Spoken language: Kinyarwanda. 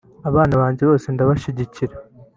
Abana banjye bose ndabashyigikira